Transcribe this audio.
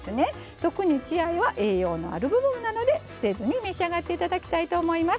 特に血合いは栄養のある部分なので捨てずに召し上がっていただきたいと思います。